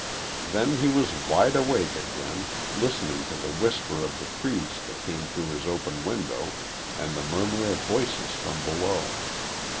Then he was wide awake again, listening to the whisper of the trees that came through his open window and the murmur of voices from below.